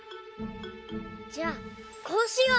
じゃあこうしよう！